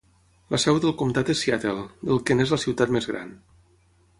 La seu del comtat és Seattle, del que n'és la ciutat més gran.